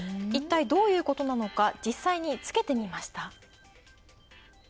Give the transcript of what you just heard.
いったいどういうことなのか、実際につけてみました。